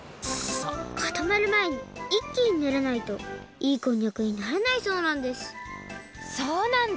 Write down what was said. かたまるまえにいっきにねらないといいこんにゃくにならないそうなんですそうなんだ！